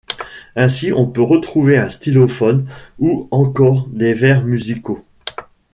Ainsi on peut retrouver un stylophone, ou encore des verres musicaux.